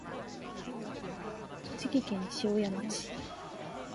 栃木県塩谷町